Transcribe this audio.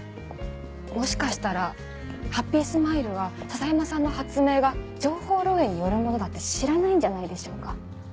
もしかしたらハッピースマイルは篠山さんの発明が情報漏洩によるものだって知らないんじゃないでしょうか？